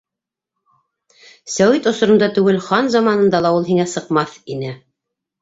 Сәүит осоронда түгел, хан заманында ла ул һиңә сыҡмаҫ ине.